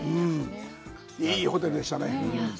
いいホテルでしたね。